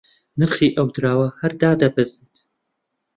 نرخی ئەو دراوە هەر دادەبەزێت